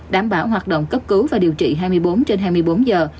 đảm bảo hoạt động cấp cứu và điều trị hai mươi bốn trên hai mươi bốn giờ